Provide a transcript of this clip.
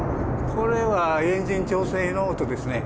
これはエンジン調整の音ですね。